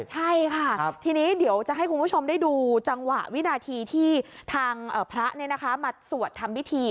ใช่ค่ะทีนี้เดี๋ยวจะให้คุณผู้ชมได้ดูจังหวะวินาทีที่ทางพระมาสวดทำพิธี